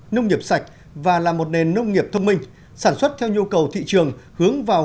nông nghiệp sạch và là một nền nông nghiệp thông minh sản xuất theo nhu cầu thị trường hướng vào